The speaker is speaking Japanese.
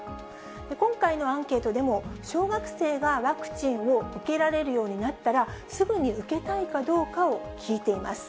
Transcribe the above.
今回のアンケートでも、小学生がワクチンを受けられるようになったら、すぐに受けたいかどうかを聞いています。